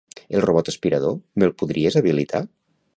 El robot aspirador, me'l podries habilitar?